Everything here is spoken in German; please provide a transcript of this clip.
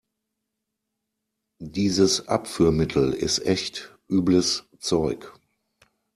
Dieses Abführmittel ist echt übles Zeug.